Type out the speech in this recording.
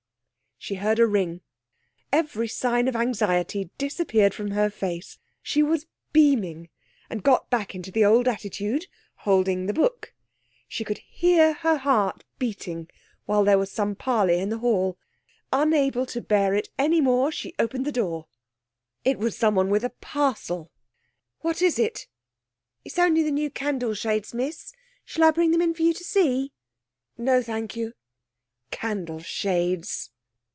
She heard a ring. Every sign of anxiety disappeared from her face. She was beaming, and got back into the old attitude, holding the book. She could hear her heart beating while there was some parley in the hall. Unable to bear it any more, she opened the door. It was someone with a parcel. 'What is it?' 'It's only the new candle shades, miss. Shall I bring them in for you to see?' 'No, thank you....' Candle shades!